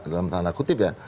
dalam tanda kutip ya